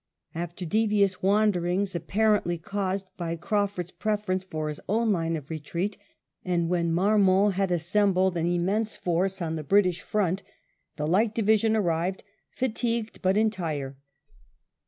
After devious wanderings, apparently caused by Crau f urd's preference for his own line of retreat, and when Marmont had assembled an immense force on the British front, the Light Division arrived, fatigued but entire.